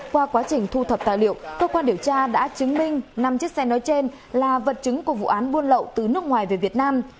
qua quá trình thu thập tài liệu cơ quan điều tra đã chứng minh năm chiếc xe nói trên là vật chứng của vụ án buôn lậu từ nước ngoài về việt nam